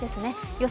予想